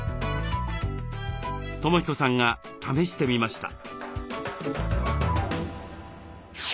友彦さんが試してみました。